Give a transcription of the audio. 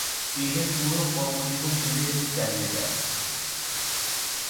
তিনি তার পুরো কর্মজীবন জুড়ে এটি চালিয়ে যান।